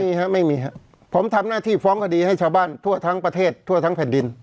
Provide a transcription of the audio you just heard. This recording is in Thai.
มีครับไม่มีครับผมทำหน้าที่ฟ้องคดีให้ชาวบ้านทั่วทั้งประเทศทั่วทั้งแผ่นดิน